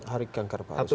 hari kanker paru sedunia